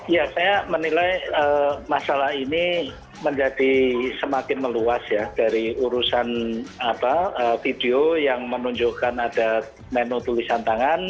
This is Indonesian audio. ya saya menilai masalah ini menjadi semakin meluas ya dari urusan video yang menunjukkan ada menu tulisan tangan